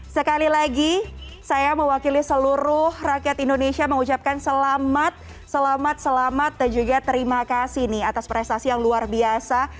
sekali lagi saya mewakili seluruh rakyat indonesia mengucapkan selamat selamat dan juga terima kasih nih atas prestasi yang luar biasa